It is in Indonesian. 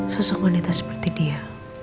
sesuai wanita seperti dia